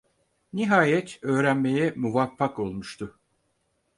Nihayet öğrenmeye muvaffak olmuştu.